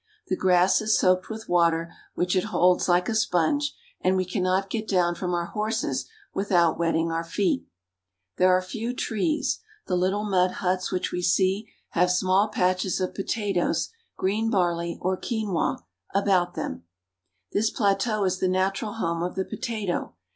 The grass is soaked with water, which it holds like a sponge, and we cannot get down from our horses without wetting our feet. There are few trees. The little mud huts which we see have small patches of potatoes green barley, or quinua (keenVa) about them. This plateau is the natural home of the potato.